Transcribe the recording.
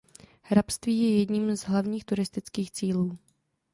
Hrabství je jedním z hlavních turistických cílů.